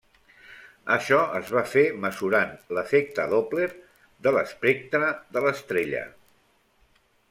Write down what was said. Això es va fer mesurant l'efecte Doppler de l'espectre de l'estrella.